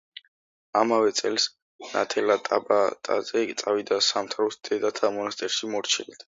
ამავე წელს ნათელა ტაბატაძე წავიდა სამთავროს დედათა მონასტერში მორჩილად.